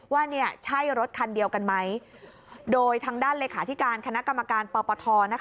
ว่าใช่รถคันเดียวกันไหมโดยทางด้านเลขาธิการคณะกรรมการปปท